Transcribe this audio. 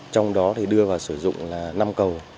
trong đó thì đưa vào sử dụng là năm cầu